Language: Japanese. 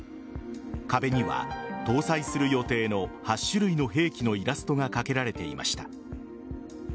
壁には搭載する予定の８種類の兵器のイラストがかけられていました。